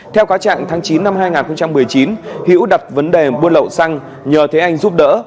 theo cáo trạng tháng chín năm hai nghìn một mươi chín hiễu đặt vấn đề buôn lậu xăng nhờ thế anh giúp đỡ